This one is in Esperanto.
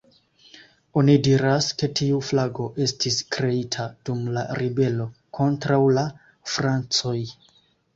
Oni diras, ke tiu flago estis kreita dum la ribelo kontraŭ la francoj.